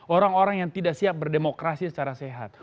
orang orang yang tidak siap berdemokrasi secara sehat